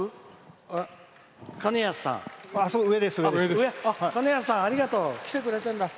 かねやすさんありがとう。来てくれてるんだ。